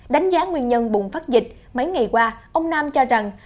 đánh giá nguyên nhân bùng phát dịch mấy ngày qua ông nam cho rằng